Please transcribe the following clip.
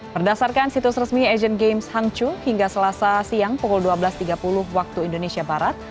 berdasarkan situs resmi asian games hangzhou hingga selasa siang pukul dua belas tiga puluh waktu indonesia barat